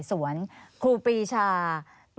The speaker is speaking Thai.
สวัสดีครับ